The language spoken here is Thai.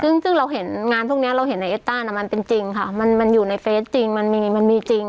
ซึ่งเราเห็นงานพวกนี้เราเห็นในเอสต้าน่ะมันเป็นจริงค่ะมันมันอยู่ในเฟสจริงมันมีมันมีจริง